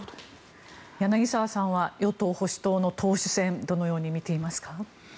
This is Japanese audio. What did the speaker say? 柳澤さんは与党・保守党の党首選どのよう見ていますか？